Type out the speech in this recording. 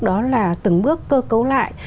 đó là từng bước cơ cấu lại